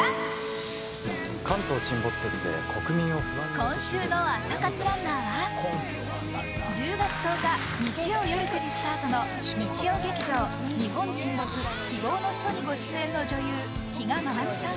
今週の朝活ランナーは、１０月１０日日曜夜９時スタートの日曜劇場「日本沈没−希望のひと−」にご出演の女優、比嘉愛未さん。